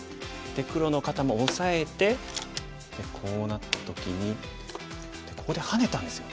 黒の方もオサえてこうなった時にここでハネたんですよ。